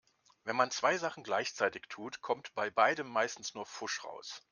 Wenn man zwei Sachen gleichzeitig tut, kommt bei beidem meistens nur Pfusch raus.